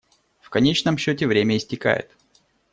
В конечном счете время истекает.